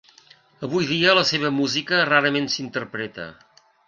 Avui dia la seva música rarament s'interpreta.